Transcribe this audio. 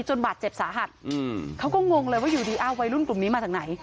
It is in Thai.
บาดเจ็บสาหัสเขาก็งงเลยว่าอยู่ดีอ้าววัยรุ่นกลุ่มนี้มาจากไหน